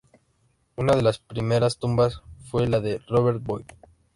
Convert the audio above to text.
Una de las primeras tumbas fue la de Robert Boyd.